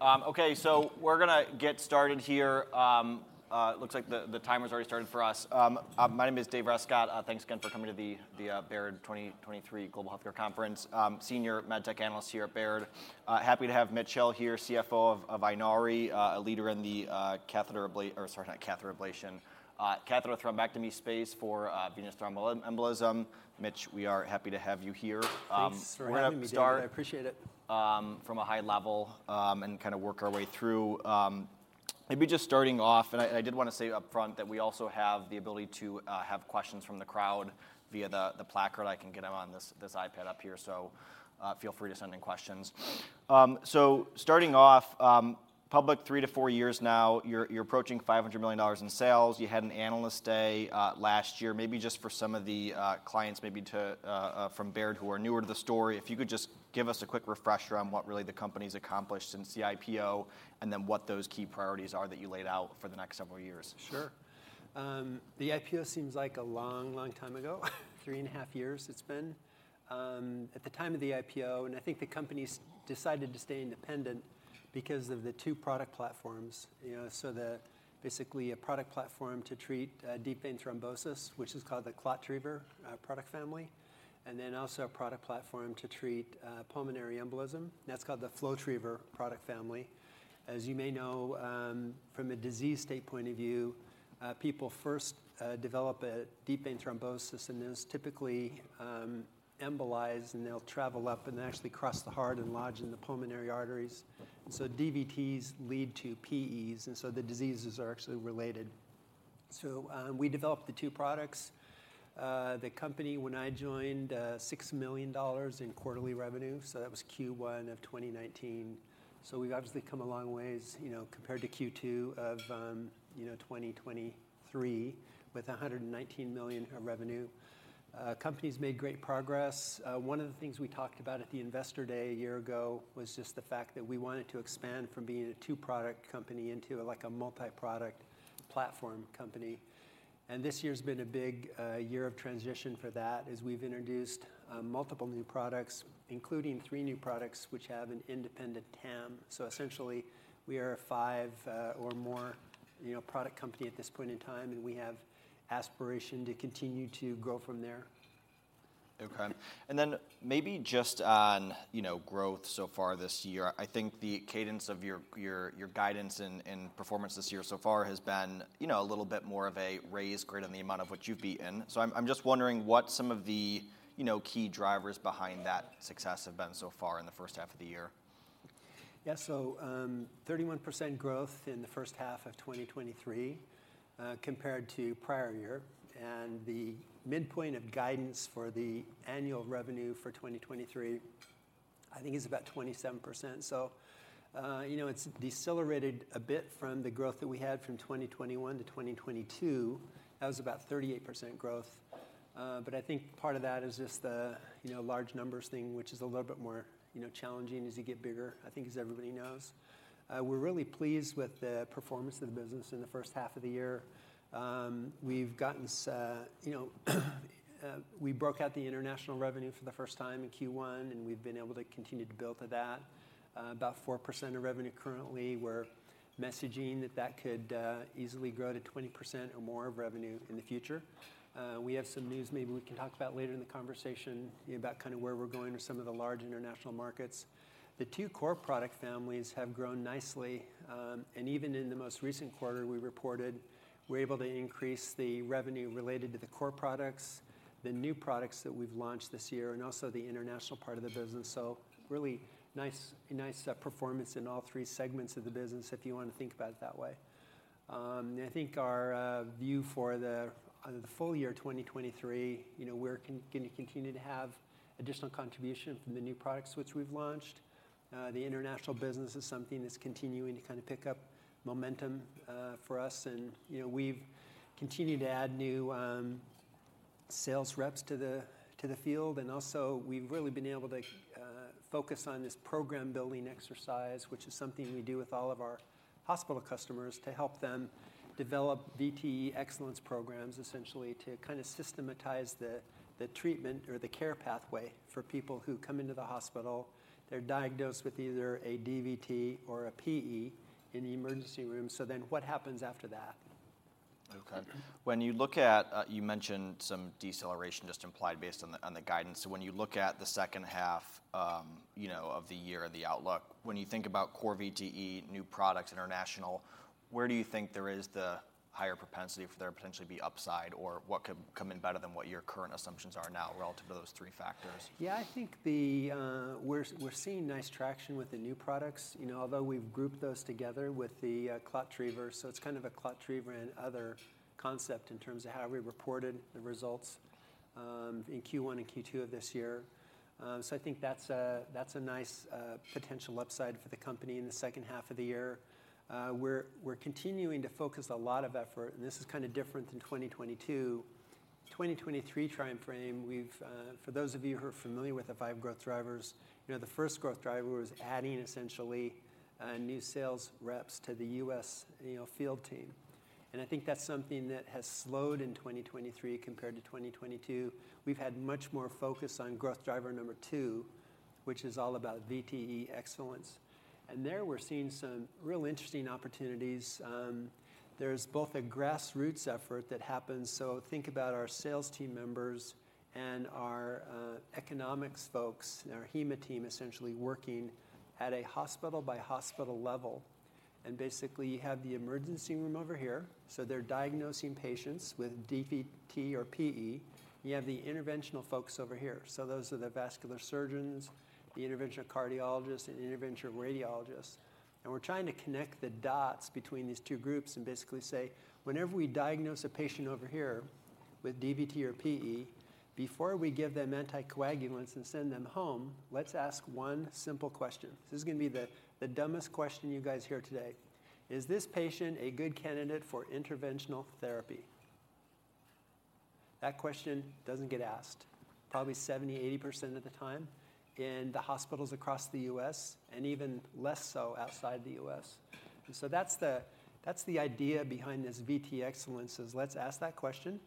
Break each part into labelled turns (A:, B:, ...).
A: Okay, so we're gonna get started here. It looks like the timer's already started for us. My name is Dave Rescott. Thanks again for coming to the Baird 2023 Global Healthcare Conference. Senior MedTech Analyst here at Baird. Happy to have Mitch Hill here, CFO of Inari, a leader in the catheter abla- or sorry, not catheter ablation, catheter thrombectomy space for venous thromboembolism. Mitch, we are happy to have you here.
B: Thanks for having me, Dave.
A: We're gonna start.
B: I appreciate it.
A: From a high level, and kind of work our way through. Maybe just starting off, and I did wanna say upfront that we also have the ability to have questions from the crowd via the placard. I can get them on this iPad up here, so feel free to send in questions. So starting off, public three-four years now, you're approaching $500 million in sales. You had an Analyst Day last year. Maybe just for some of the clients, maybe to from Baird, who are newer to the story, if you could just give us a quick refresher on what really the company's accomplished since the IPO, and then what those key priorities are that you laid out for the next several years.
B: Sure. The IPO seems like a long, long time ago, three and half years it's been. At the time of the IPO, and I think the company's decided to stay independent because of the two product platforms, you know. So basically, a product platform to treat deep vein thrombosis, which is called the ClotTriever product family, and then also a product platform to treat pulmonary embolism, and that's called the FlowTriever product family. As you may know, from a disease state point of view, people first develop a deep vein thrombosis, and those typically embolize, and they'll travel up and actually cross the heart and lodge in the pulmonary arteries. So DVTs lead to PEs, and so the diseases are actually related. So, we developed the two products. The company, when I joined, $6 million in quarterly revenue, so that was Q1 of 2019. So we've obviously come a long ways, you know, compared to Q2 of 2023, with $119 million of revenue. Company's made great progress. One of the things we talked about at the Investor Day a year ago was just the fact that we wanted to expand from being a two-product company into, like, a multi-product platform company. And this year's been a big year of transition for that, as we've introduced multiple new products, including three new products, which have an independent TAM. So essentially, we are a five or more, you know, product company at this point in time, and we have aspiration to continue to grow from there.
A: Okay. And then maybe just on, you know, growth so far this year. I think the cadence of your guidance and performance this year so far has been, you know, a little bit more of a raised grade on the amount of what you've been. So I'm just wondering what some of the, you know, key drivers behind that success have been so far in the first half of the year.
B: Yeah. So, 31% growth in the first half of 2023, compared to prior year. And the midpoint of guidance for the annual revenue for 2023, I think is about 27%. So, you know, it's decelerated a bit from the growth that we had from 2021 to 2022. That was about 38% growth. But I think part of that is just the, you know, large numbers thing, which is a little bit more, you know, challenging as you get bigger, I think, as everybody knows. We're really pleased with the performance of the business in the first half of the year. You know, we broke out the international revenue for the first time in Q1, and we've been able to continue to build to that. About 4% of revenue currently, we're messaging that that could easily grow to 20% or more of revenue in the future. We have some news maybe we can talk about later in the conversation, you know, about kind of where we're going or some of the large international markets. The two core product families have grown nicely, and even in the most recent quarter, we reported we're able to increase the revenue related to the core products, the new products that we've launched this year, and also the international part of the business, so really nice, nice, performance in all three segments of the business, if you want to think about it that way. I think our view for the full year 2023, you know, we're gonna continue to have additional contribution from the new products which we've launched. The international business is something that's continuing to kind of pick up momentum for us, and, you know, we've continued to add new sales reps to the field. And also, we've really been able to focus on this program-building exercise, which is something we do with all of our hospital customers to help them develop VTE Excellence programs, essentially to kind of systematize the treatment or the care pathway for people who come into the hospital. They're diagnosed with either a DVT or a PE in the emergency room, so then what happens after that?
A: Okay. When you look at, you mentioned some deceleration just implied based on the guidance. So when you look at the second half, you know, of the year or the outlook, when you think about core VTE, new products, international, where do you think there is the higher propensity for there to potentially be upside, or what could come in better than what your current assumptions are now relative to those three factors?
B: Yeah, I think. We're seeing nice traction with the new products, you know, although we've grouped those together with the ClotTriever. So it's kind of a ClotTriever and other concept in terms of how we reported the results in Q1 and Q2 of this year. So I think that's a nice potential upside for the company in the second half of the year. We're continuing to focus a lot of effort, and this is kind of different than 2022. 2023 time frame, we've. For those of you who are familiar with the 5 growth drivers, you know, the first growth driver was adding, essentially, new sales reps to the U.S., you know, field team, and I think that's something that has slowed in 2023 compared to 2022. We've had much more focus on growth driver number two, which is all about VTE Excellence, and there we're seeing some real interesting opportunities. There's both a grassroots effort that happens, so think about our sales team members and our economics folks, and our HEMA team, essentially working at a hospital-by-hospital level. Basically, you have the emergency room over here, so they're diagnosing patients with DVT or PE. You have the interventional folks over here, so those are the vascular surgeons, the interventional cardiologists, and the interventional radiologists. And we're trying to connect the dots between these two groups and basically say, "Whenever we diagnose a patient over here with DVT or PE, before we give them anticoagulants and send them home, let's ask one simple question." This is gonna be the dumbest question you guys hear today: "Is this patient a good candidate for interventional therapy?" That question doesn't get asked probably 70%-80% of the time in the hospitals across the U.S., and even less so outside the U.S. And so that's the idea behind this VTE Excellence, is let's ask that question.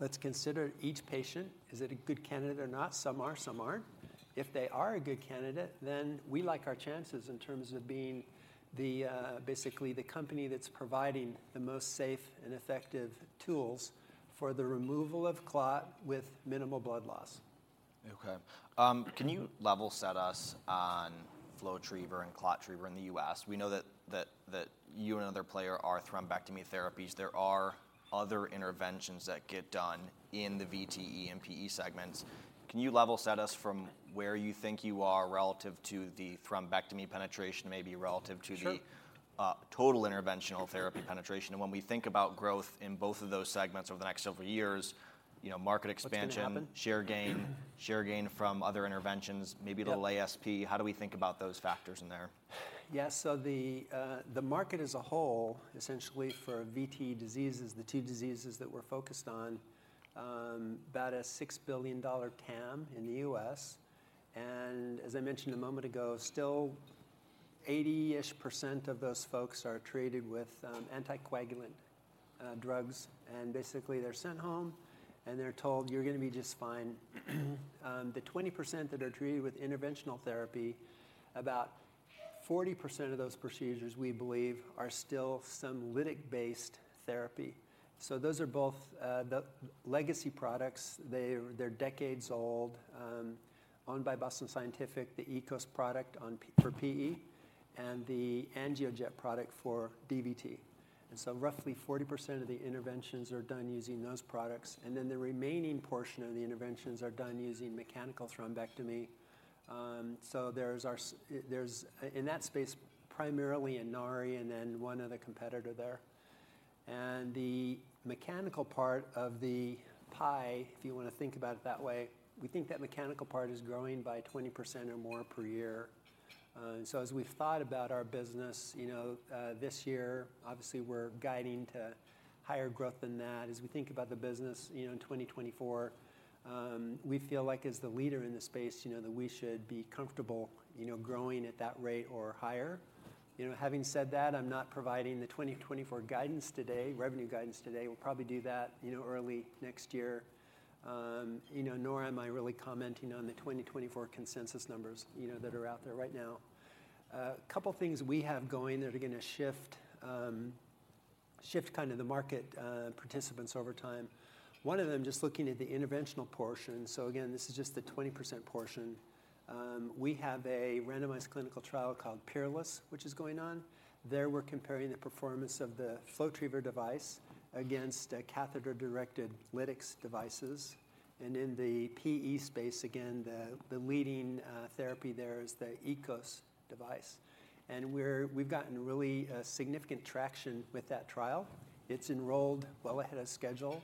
B: Let's consider each patient. Is it a good candidate or not? Some are, some aren't. If they are a good candidate, then we like our chances in terms of being the, basically, the company that's providing the most safe and effective tools for the removal of clot with minimal blood loss.
A: Okay. Can you level set us on FlowTriever and ClotTriever in the US? We know that you and another player are thrombectomy therapies. There are other interventions that get done in the VTE and PE segments. Can you level set us from where you think you are relative to the thrombectomy penetration, maybe relative to the-
B: Sure
A: Total interventional therapy penetration? And when we think about growth in both of those segments over the next several years, you know, market expansion.
B: What's gonna happen?
A: Share gain, share gain from other interventions, maybe.
B: Yeah
A: A little ASP. How do we think about those factors in there?
B: Yeah, so the market as a whole, essentially for VTE diseases, the two diseases that we're focused on, about a $6 billion TAM in the U.S. And as I mentioned a moment ago, still 80% ish of those folks are treated with anticoagulant drugs, and basically, they're sent home, and they're told, "You're gonna be just fine." The 20% that are treated with interventional therapy, about 40% of those procedures, we believe, are still some lytic-based therapy. So those are both the legacy products. They're decades old, owned by Boston Scientific, the EKOS product for PE, and the AngioJet product for DVT. And so roughly 40% of the interventions are done using those products, and then the remaining portion of the interventions are done using mechanical thrombectomy. So there's in that space, primarily Inari and then one other competitor there. And the mechanical part of the pie, if you wanna think about it that way, we think that mechanical part is growing by 20% or more per year. And so as we've thought about our business, you know, this year, obviously, we're guiding to higher growth than that. As we think about the business, you know, in 2024, we feel like as the leader in the space, you know, that we should be comfortable, you know, growing at that rate or higher. You know, having said that, I'm not providing the 2024 guidance today, revenue guidance today. We'll probably do that, you know, early next year. You know, nor am I really commenting on the 2024 consensus numbers, you know, that are out there right now. A couple things we have going that are gonna shift, shift kind of the market, participants over time. One of them, just looking at the interventional portion, so again, this is just the 20% portion, we have a randomized clinical trial called PEERLESS, which is going on. There, we're comparing the performance of the FlowTriever device against a catheter-directed lytics devices. And in the PE space, again, the leading therapy there is the EKOS device. And we've gotten really significant traction with that trial. It's enrolled well ahead of schedule,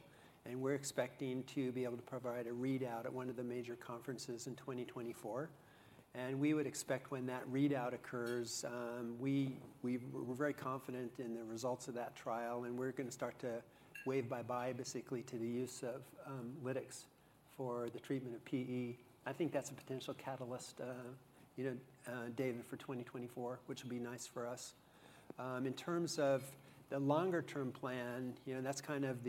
B: and we're expecting to be able to provide a readout at one of the major conferences in 2024. We would expect when that readout occurs, we're very confident in the results of that trial, and we're gonna start to wave bye-bye, basically, to the use of lytics for the treatment of PE. I think that's a potential catalyst, David, for 2024, which would be nice for us. In terms of the longer-term plan, you know, that's kind of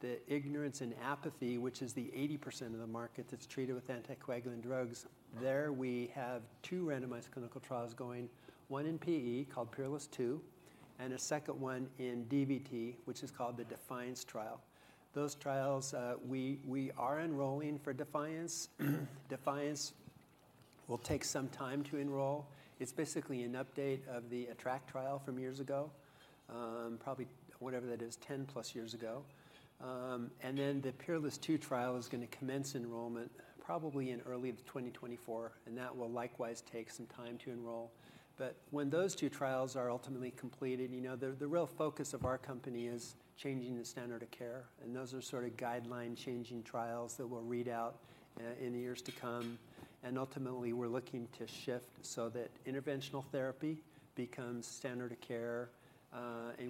B: the ignorance and apathy, which is the 80% of the market that's treated with anticoagulant drugs.
A: Mm.
B: There, we have two randomized clinical trials going, one in PE called PEERLESS II, and a second one in DVT, which is called the DEFIANCE trial. Those trials, we are enrolling for DEFIANCE. DEFIANCE will take some time to enroll. It's basically an update of the ATTRACT trial from years ago, probably, whatever that is, 10+ years ago. And then the PEERLESS II trial is gonna commence enrollment probably in early 2024, and that will likewise take some time to enroll. But when those two trials are ultimately completed, you know, the real focus of our company is changing the standard of care, and those are sort of guideline-changing trials that will read out in years to come, and ultimately, we're looking to shift so that interventional therapy becomes standard of care.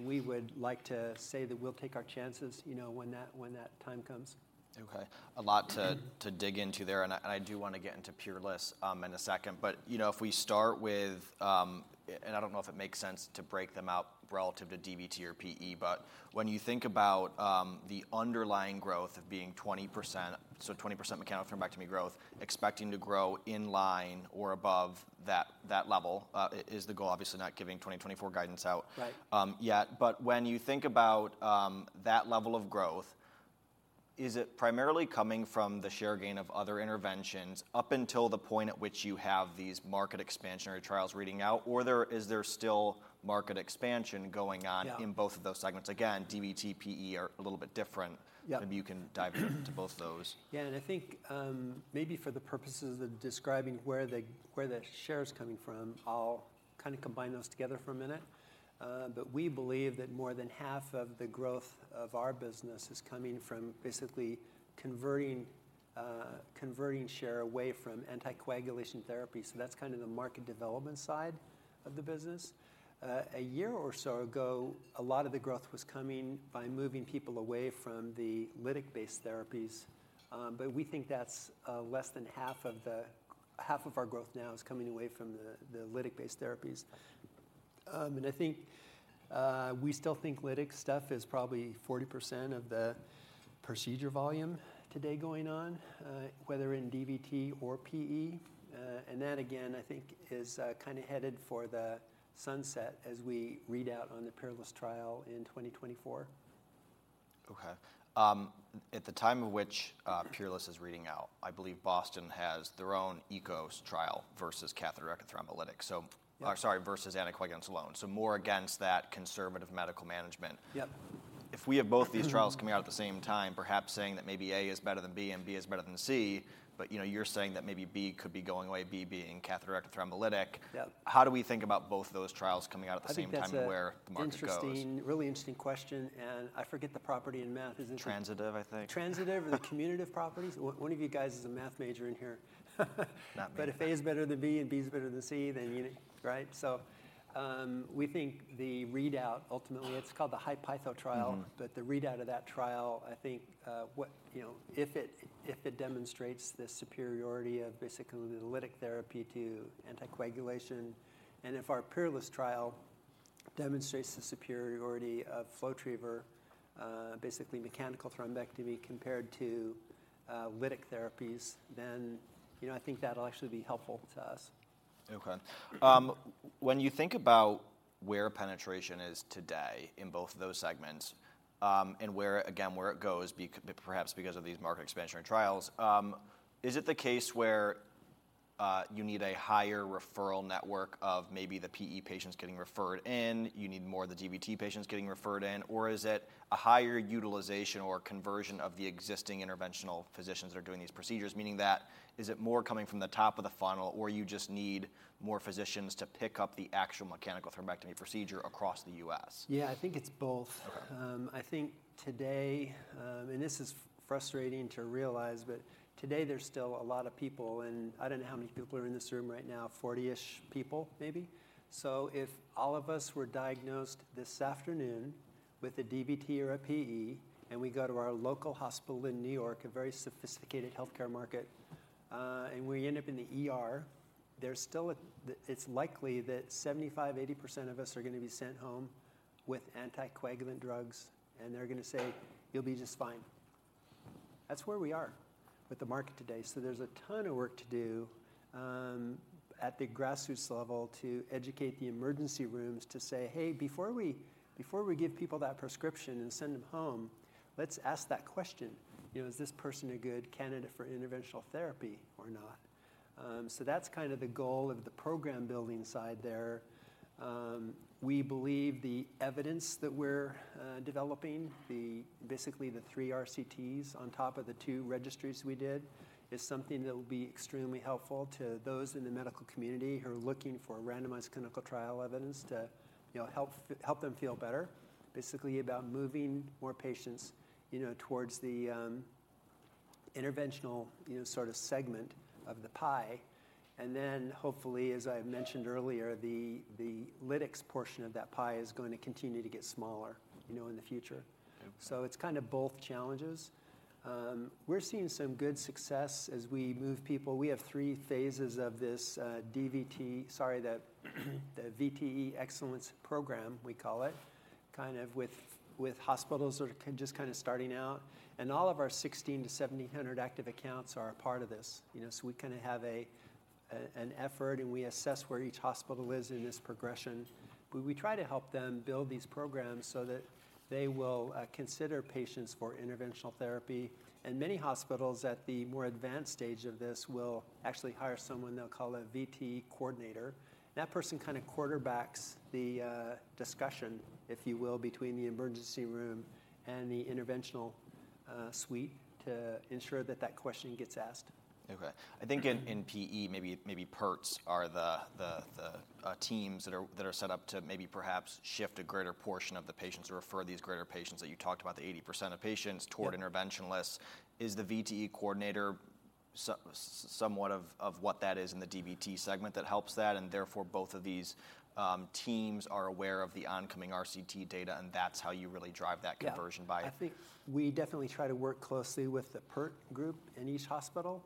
B: We would like to say that we'll take our chances, you know, when that, when that time comes.
A: Okay. A lot to dig into there, and I do wanna get into PEERLESS in a second. But you know, if we start with and I don't know if it makes sense to break them out relative to DVT or PE, but when you think about the underlying growth of being 20%, so 20% mechanical thrombectomy growth, expecting to grow in line or above that level, is the goal, obviously, not giving 2024 guidance out.
B: Right
A: Yet. But when you think about that level of growth, is it primarily coming from the share gain of other interventions up until the point at which you have these market expansionary trials reading out, or is there still market expansion going on?
B: Yeah
A: In both of those segments? Again, DVT, PE are a little bit different.
B: Yeah.
A: Maybe you can dive into both of those.
B: Yeah, and I think maybe for the purposes of describing where the share is coming from, I'll kind of combine those together for a minute. But we believe that more than half of the growth of our business is coming from basically converting share away from anticoagulation therapy, so that's kind of the market development side of the business. A year or so ago, a lot of the growth was coming by moving people away from the lytic-based therapies, but we think that's less than half of our growth now is coming away from the lytic-based therapies. And I think we still think lytic stuff is probably 40% of the procedure volume today going on, whether in DVT or PE. That, again, I think, is kind of headed for the sunset as we read out on the PEERLESS trial in 2024.
A: Okay. At the time of which, PEERLESS is reading out, I believe Boston has their own EKOS trial versus catheter-directed thrombolytic.
B: Yeah.
A: Sorry, versus anticoagulants alone. So more against that conservative medical management.
B: Yep.
A: If we have both these trials coming out at the same time, perhaps saying that maybe A is better than B and B is better than C, but, you know, you're saying that maybe B could be going away, B being catheter-directed thrombolytic.
B: Yep.
A: How do we think about both of those trials coming out at the same time?
B: I think that's a.
A: And where the market goes?
B: Interesting, really interesting question, and I forget the property in math. Is it.
A: Transitive, I think.
B: Transitive or the commutative properties? One of you guys is a math major in here.
A: Not me.
B: But if A is better than B and B is better than C, then, you know, right? So, we think the readout, ultimately, it's called the HI-PEITHO trial.
A: Mm-hmm.
B: But the readout of that trial, I think, You know, if it, if it demonstrates the superiority of basically the lytic therapy to anticoagulation, and if our PEERLESS trial demonstrates the superiority of FlowTriever, basically mechanical thrombectomy, compared to, lytic therapies, then, you know, I think that'll actually be helpful to us.
A: Okay. When you think about where penetration is today in both of those segments, and where, again, where it goes perhaps because of these market expansion trials, is it the case where you need a higher referral network of maybe the PE patients getting referred in, you need more of the DVT patients getting referred in, or is it a higher utilization or conversion of the existing interventional physicians that are doing these procedures? Meaning that, is it more coming from the top of the funnel, or you just need more physicians to pick up the actual mechanical thrombectomy procedure across the U.S.?
B: Yeah, I think it's both.
A: Okay.
B: I think today, this is frustrating to realize, but today, there's still a lot of people, and I don't know how many people are in this room right now, 40-ish people, maybe. So if all of us were diagnosed this afternoon with a DVT or a PE, and we go to our local hospital in New York, a very sophisticated healthcare market, and we end up in the ER, it's likely that 75%-80% of us are gonna be sent home with anticoagulant drugs, and they're gonna say, "You'll be just fine." That's where we are with the market today, so there's a ton of work to do, at the grassroots level to educate the emergency rooms to say, "Hey, before we, before we give people that prescription and send them home, let's ask that question: You know, is this person a good candidate for interventional therapy or not?" So that's kind of the goal of the program-building side there. We believe the evidence that we're developing, basically, the three RCTs on top of the two registries we did, is something that will be extremely helpful to those in the medical community who are looking for randomized clinical trial evidence to, you know, help them feel better, basically about moving more patients, you know, towards the interventional, you know, sort of segment of the pie. And then, hopefully, as I've mentioned earlier, the lytics portion of that pie is going to continue to get smaller, you know, in the future.
A: Okay.
B: So it's kind of both challenges. We're seeing some good success as we move people. We have three phases of this, the VTE Excellence program, we call it, kind of with hospitals that are kind of just kind of starting out. All of our 1,600-1,700 active accounts are a part of this, you know, so we kind of have an effort, and we assess where each hospital is in this progression. But we try to help them build these programs so that they will consider patients for interventional therapy. Many hospitals at the more advanced stage of this will actually hire someone they'll call a VTE coordinator. That person kind of quarterbacks the discussion, if you will, between the emergency room and the interventional suite, to ensure that that question gets asked.
A: Okay. I think in PE, maybe PERTs are the teams that are set up to maybe perhaps shift a greater portion of the patients or refer these greater patients that you talked about, the 80% of patients.
B: Yep
A: Toward interventionalists. Is the VTE coordinator, so, somewhat of what that is in the DVT segment that helps that, and therefore, both of these teams are aware of the oncoming RCT data, and that's how you really drive that-conversion by it.
B: I think we definitely try to work closely with the PERT group in each hospital.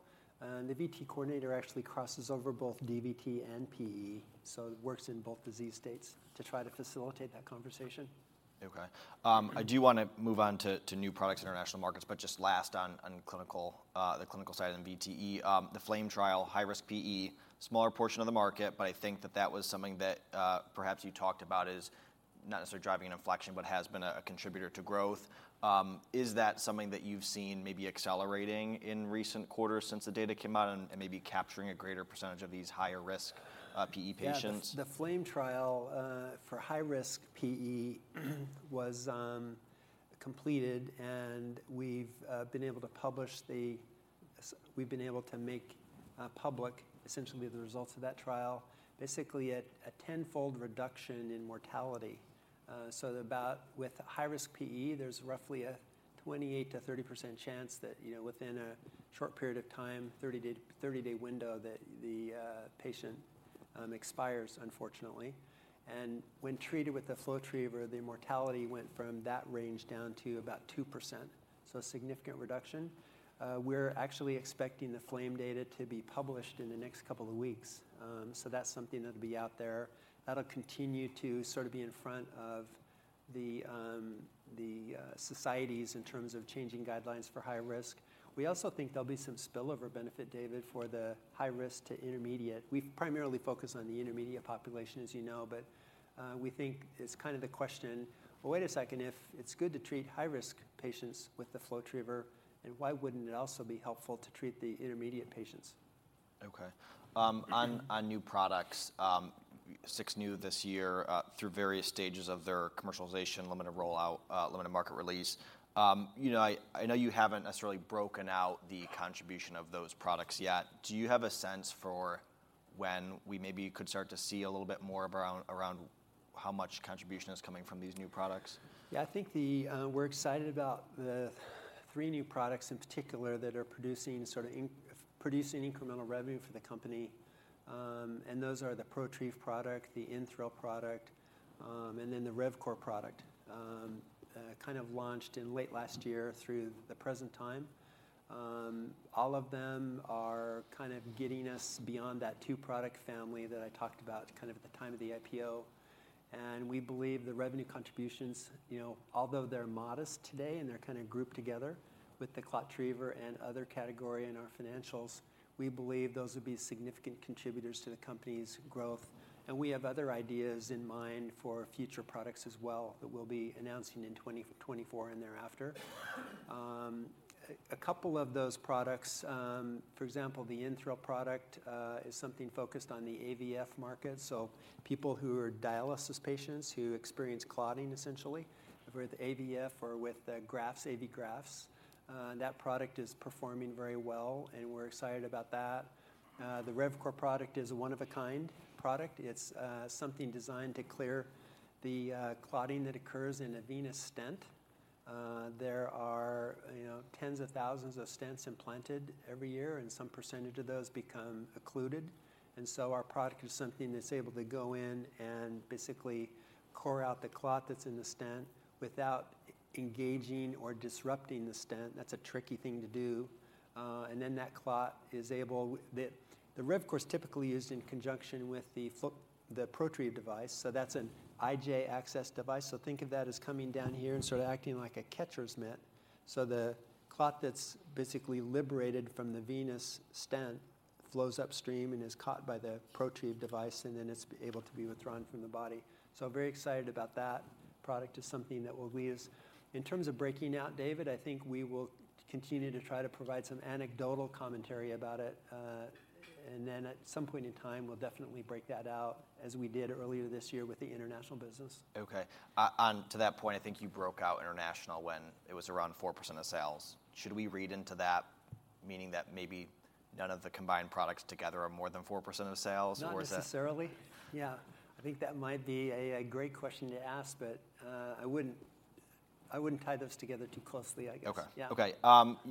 B: The VTE coordinator actually crosses over both DVT and PE, so it works in both disease states to try to facilitate that conversation.
A: Okay. I do wanna move on to new products, international markets, but just last on clinical, the clinical side and VTE, the FLAME trial, high-risk PE, smaller portion of the market, but I think that that was something that, perhaps you talked about is not necessarily driving an inflection, but has been a contributor to growth. Is that something that you've seen maybe accelerating in recent quarters since the data came out and maybe capturing a greater percentage of these higher-risk PE patients?
B: Yeah. The FLAME trial for high-risk PE was completed, and we've been able to make public essentially the results of that trial, basically at a tenfold reduction in mortality. So about with high-risk PE, there's roughly a 28%-30% chance that, you know, within a short period of time, 30-day window, that the patient expires, unfortunately. And when treated with the FlowTriever, the mortality went from that range down to about 2%, so a significant reduction. We're actually expecting the FLAME data to be published in the next couple of weeks. So that's something that'll be out there. That'll continue to sort of be in front of the societies in terms of changing guidelines for high risk. We also think there'll be some spillover benefit, David, for the high risk to intermediate. We've primarily focused on the intermediate population, as you know, but, we think it's kind of the question: Well, wait a second, if it's good to treat high-risk patients with the FlowTriever, then why wouldn't it also be helpful to treat the intermediate patients?
A: Okay. On new products, six new this year, through various stages of their commercialization, limited rollout, limited market release. You know, I know you haven't necessarily broken out the contribution of those products yet. Do you have a sense for when we maybe could start to see a little bit more around how much contribution is coming from these new products?
B: Yeah, I think the... We're excited about the three new products in particular that are producing sort of incremental revenue for the company. And those are the Protrieve product, the InThrill product, and then the RevCore product. Kind of launched in late last year through the present time. All of them are kind of getting us beyond that two-product family that I talked about, kind of at the time of the IPO. And we believe the revenue contributions, you know, although they're modest today, and they're kind of grouped together with the ClotTriever and other category in our financials, we believe those will be significant contributors to the company's growth. And we have other ideas in mind for future products as well, that we'll be announcing in 2024 and thereafter. A couple of those products, for example, the InThrill product, is something focused on the AVF market. So people who are dialysis patients who experience clotting, essentially, with AVF or with the grafts, AV grafts, that product is performing very well, and we're excited about that. The RevCore product is a one-of-a-kind product. It's something designed to clear the clotting that occurs in a venous stent. There are, you know, tens of thousands of stents implanted every year, and some percentage of those become occluded. And so our product is something that's able to go in and basically core out the clot that's in the stent without engaging or disrupting the stent. That's a tricky thing to do. The RevCore is typically used in conjunction with the FlowTriever, the ProTrieve device, so that's an IJ access device. So think of that as coming down here and sort of acting like a catcher's mitt. So the clot that's basically liberated from the venous stent flows upstream and is caught by the ProTrieve device, and then it's able to be withdrawn from the body. So very excited about that product is something that will leave... In terms of breaking out, David, I think we will continue to try to provide some anecdotal commentary about it, and then at some point in time, we'll definitely break that out, as we did earlier this year with the international business.
A: Okay. On to that point, I think you broke out international when it was around 4% of sales. Should we read into that, meaning that maybe none of the combined products together are more than 4% of the sales? Or is that.
B: Not necessarily. Yeah, I think that might be a great question to ask, but I wouldn't tie those together too closely, I guess.
A: Okay.
B: Yeah.
A: Okay,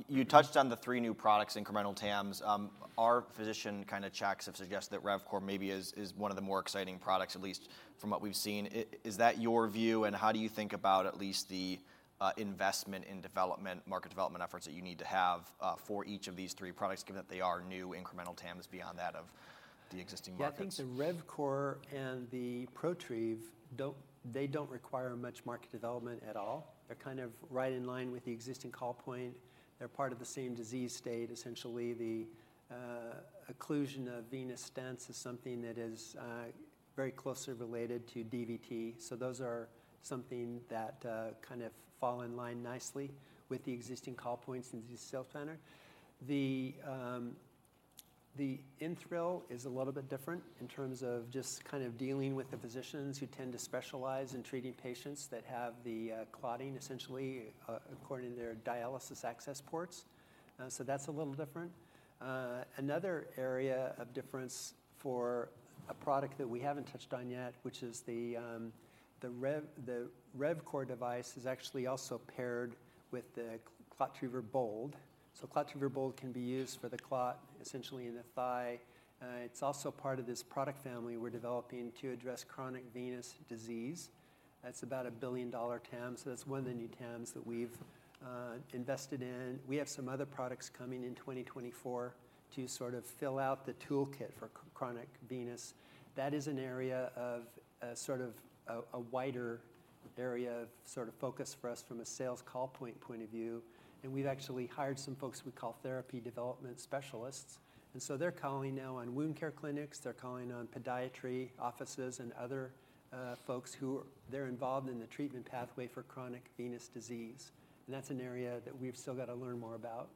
A: you touched on the three new products, incremental TAMs. Our physician kind of checks have suggested that RevCore maybe is one of the more exciting products, at least from what we've seen. Is that your view, and how do you think about at least the investment in development, market development efforts that you need to have for each of these three products, given that they are new incremental TAMs beyond that of the existing markets?
B: Yeah, I think the RevCore and the ProTrieve don't require much market development at all. They're kind of right in line with the existing call point. They're part of the same disease state, essentially. The occlusion of venous stents is something that is very closely related to DVT. So those are something that kind of fall in line nicely with the existing call points in the cell planner. The InThrill is a little bit different in terms of just kind of dealing with the physicians who tend to specialize in treating patients that have the clotting, essentially, according to their dialysis access ports. So that's a little different. Another area of difference for a product that we haven't touched on yet, which is the RevCore device, is actually also paired with the ClotTriever BOLD. So ClotTriever BOLD can be used for the clot, essentially in the thigh. It's also part of this product family we're developing to address chronic venous disease. That's about a billion-dollar TAM, so that's one of the new TAMs that we've invested in. We have some other products coming in 2024 to sort of fill out the toolkit for chronic venous. That is an area of, a sort of, a, a wider area of sort of focus for us from a sales call point, point of view, and we've actually hired some folks we call therapy development specialists. And so they're calling now on wound care clinics, they're calling on podiatry offices and other, folks who are- they're involved in the treatment pathway for chronic venous disease, and that's an area that we've still got to learn more about.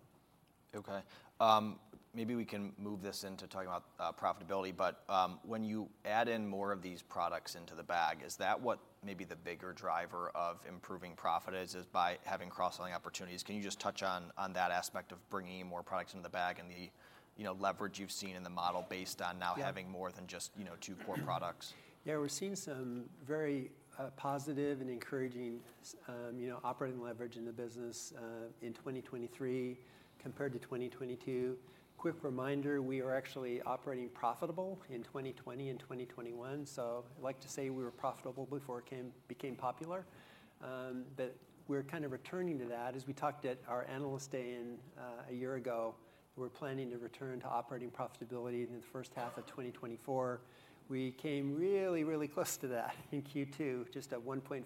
A: Okay. Maybe we can move this into talking about profitability, but when you add in more of these products into the bag, is that what may be the bigger driver of improving profit is by having cross-selling opportunities? Can you just touch on that aspect of bringing more products into the bag and the, you know, leverage you've seen in the model based on now-
B: Yeah
A: Having more than just, you know, two core products?
B: Yeah, we're seeing some very positive and encouraging, you know, operating leverage in the business in 2023 compared to 2022. Quick reminder, we were actually operating profitable in 2020 and 2021, so I'd like to say we were profitable before it became popular. But we're kind of returning to that. As we talked at our Analyst Day in a year ago, we're planning to return to operating profitability in the first half of 2024. We came really, really close to that in Q2, just a $1.5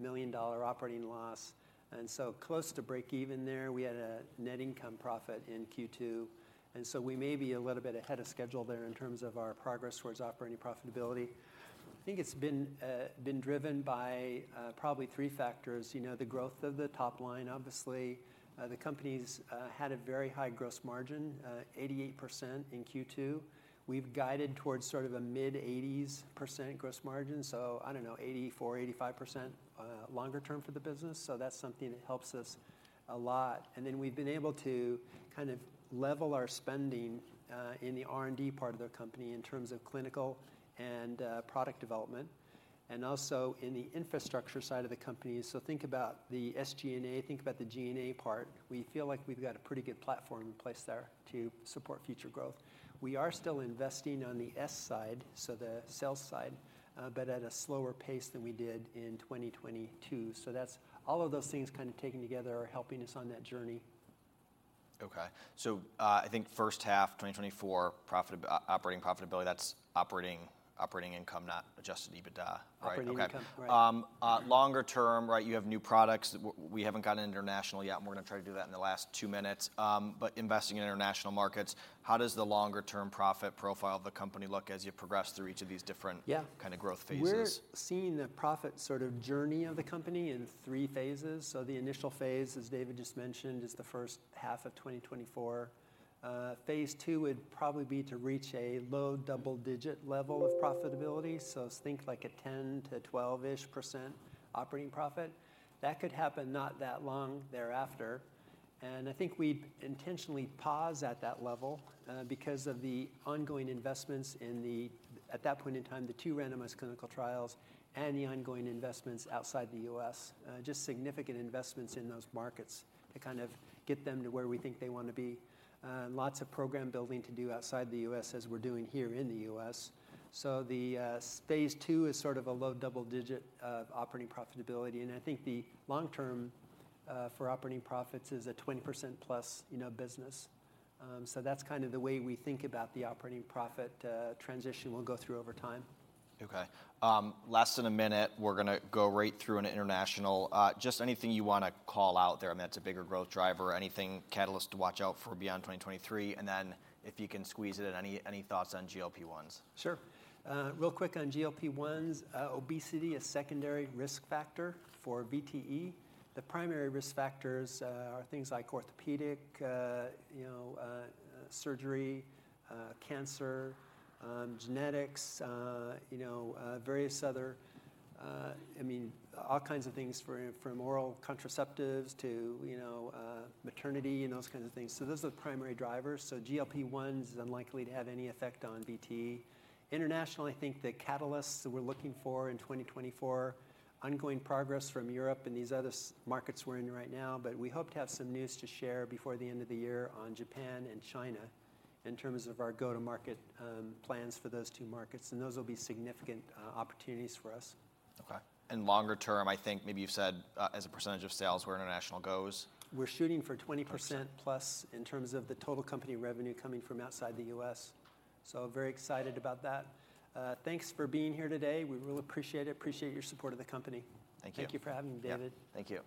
B: million operating loss, and so close to breakeven there. We had a net income profit in Q2, and so we may be a little bit ahead of schedule there in terms of our progress towards operating profitability. I think it's been driven by probably three factors. You know, the growth of the top line, obviously, the company's had a very high gross margin, 88% in Q2. We've guided towards sort of a mid-80s% gross margin, so I don't know, 84, 85%, longer term for the business, so that's something that helps us a lot. And then we've been able to kind of level our spending in the R&D part of the company in terms of clinical and product development, and also in the infrastructure side of the company. So think about the SG&A, think about the G&A part. We feel like we've got a pretty good platform in place there to support future growth. We are still investing on the S side, so the sales side, but at a slower pace than we did in 2022. So that's... All of those things kind of taken together are helping us on that journey.
A: Okay. So, I think first half of 2024, operating profitability, that's operating, operating income, not adjusted EBITDA, right?
B: Operating income.
A: Okay.
B: Right.
A: Longer term, right, you have new products. We haven't gotten into international yet, and we're gonna try to do that in the last two minutes. But investing in international markets, how does the longer-term profit profile of the company look as you progress through each of these different.
B: Yeah
A: Kind of growth phases?
B: We're seeing the profit sort of journey of the company in three phases. So the initial phase, as David just mentioned, is the first half of 2024. Phase II would probably be to reach a low double-digit level of profitability. So think like a 10%-12-ish% operating profit. That could happen not that long thereafter, and I think we'd intentionally pause at that level, because of the ongoing investments in the, at that point in time, the two randomized clinical trials and the ongoing investments outside the U.S. Just significant investments in those markets to kind of get them to where we think they want to be. Lots of program building to do outside the U.S., as we're doing here in the U.S. So the phase II is sort of a low double-digit of operating profitability, and I think the long term for operating profits is a 20%+, you know, business. So that's kind of the way we think about the operating profit transition we'll go through over time.
A: Okay. Less than a minute, we're gonna go right through into international. Just anything you wanna call out there, I mean, that's a bigger growth driver or anything, catalyst to watch out for beyond 2023, and then if you can squeeze it in, any thoughts on GLP-1s?
B: Sure. Real quick on GLP-1s, obesity, a secondary risk factor for VTE. The primary risk factors are things like orthopedic, you know, surgery, cancer, genetics, you know, various other. I mean, all kinds of things from oral contraceptives to, you know, maternity and those kinds of things. So those are the primary drivers. So GLP-1s is unlikely to have any effect on VTE. Internationally, I think the catalysts that we're looking for in 2024, ongoing progress from Europe and these other markets we're in right now, but we hope to have some news to share before the end of the year on Japan and China in terms of our go-to-market plans for those two markets, and those will be significant opportunities for us.
A: Okay. Longer term, I think maybe you've said, as a percentage of sales, where international goes?
B: We're shooting for 20%+ in terms of the total company revenue coming from outside the U.S., so very excited about that. Thanks for being here today. We really appreciate it, appreciate your support of the company.
A: Thank you.
B: Thank you for having me, David.
A: Yeah. Thank you.